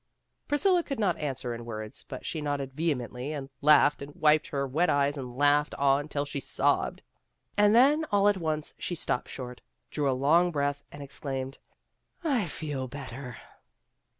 Priscilla could not answer in words, but she nodded vehemently and laughed and wiped her wet eyes and laughed on till she sobbed. And then all at once she stopped short, drew a long breath, and exclaimed, "I feel better."